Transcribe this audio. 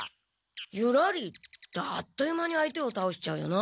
「ユラリ」ってあっという間に相手をたおしちゃうよな。